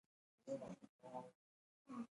بادام د افغان تاریخ په مهمو کتابونو کې ذکر شوي دي.